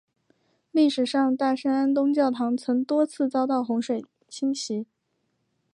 历史上大圣安东教堂曾多次遭到洪水侵袭。